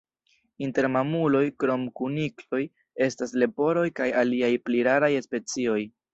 Inter mamuloj, krom kunikloj, estas leporoj kaj aliaj pli raraj specioj.